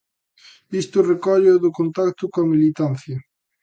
Isto recólloo do contacto coa militancia.